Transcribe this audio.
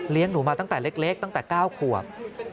หนูมาตั้งแต่เล็กตั้งแต่๙ขวบ